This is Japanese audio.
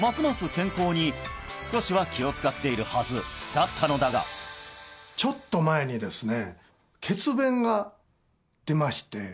健康に少しは気を遣っているはずだったのだがちょっとそれがとは思ってますね